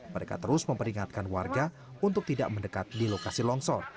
mereka terus memperingatkan warga untuk tidak mendekat di lokasi longsor